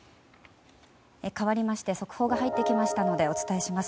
かわりまして速報が入ってきましたのでお伝えします。